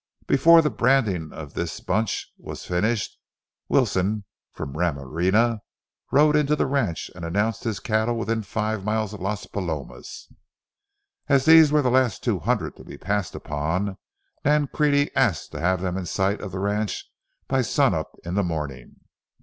Before the branding of this hunch was finished, Wilson, from Ramirena, rode into the ranch and announced his cattle within five miles of Las Palomas. As these were the last two hundred to be passed upon, Nancrede asked to have them in sight of the ranch by sun up in the morning.